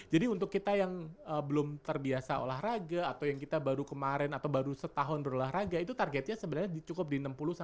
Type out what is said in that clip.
jadi untuk kita yang belum terbiasa olahraga atau yang kita baru kemaren atau baru setahun berolahraga itu targetnya sebenernya cukup di enam puluh delapan puluh